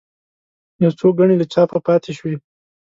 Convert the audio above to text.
یو څو ګڼې له چاپه پاتې شوې.